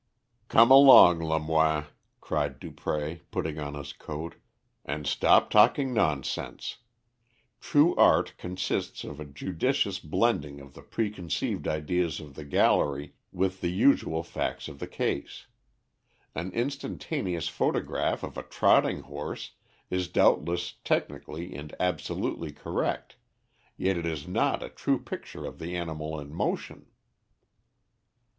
"Come along, Lemoine," cried Dupré, putting on his coat, "and stop talking nonsense. True art consists in a judicious blending of the preconceived ideas of the gallery with the usual facts of the case. An instantaneous photograph of a trotting horse is doubtless technically and absolutely correct, yet it is not a true picture of the animal in motion."